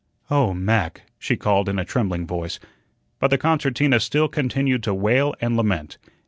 "Oh, Mac," she called in a trembling voice. But the concertina still continued to wail and lament.